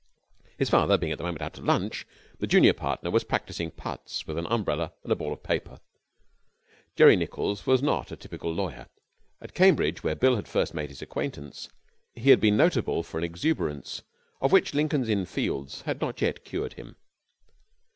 His father being at the moment out at lunch, the junior partner was practising putts with an umbrella and a ball of paper. Jerry Nichols was not the typical lawyer. At Cambridge, where Bill had first made his acquaintance, he had been notable for an exuberance of which Lincoln's Inn Fields had not yet cured him.